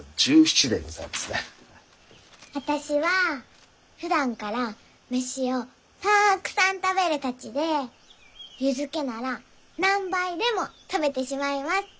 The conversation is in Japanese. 私はふだんから飯をたくさん食べるたちでぇ湯漬けなら何杯でも食べてしまいます！